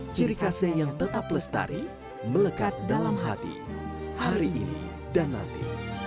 ciri khasnya yang tetap lestari melekat dalam hati hari ini dan nanti